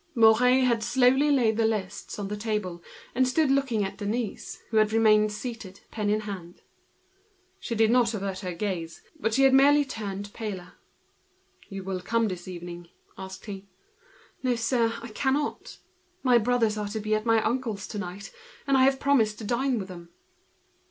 Mouret had slowly laid the lists on the table, and stood looking at the young girl, who had remained seated, pen in hand. She did not avert her gaze, but she had turned paler. "You will come this evening?" asked he. "No, sir, I cannot. My brothers are to be at uncle's tonight, and I have promised to dine with them."